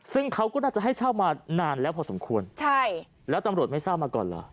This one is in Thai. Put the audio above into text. ซึ่งเขาก็น่าจะให้เช่ามานานแล้วพอสมควรใช่แล้วตำรวจไม่ทราบมาก่อนเหรอ